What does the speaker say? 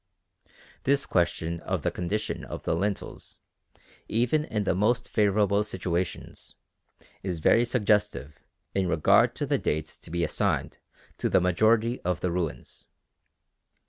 This question of the condition of the lintels, even in the most favourable situations, is very suggestive in regard to the dates to be assigned to the majority of the ruins.